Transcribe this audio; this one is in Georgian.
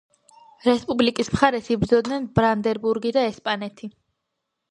რესპუბლიკის მხარეს იბრძოდნენ ბრანდენბურგი და ესპანეთი.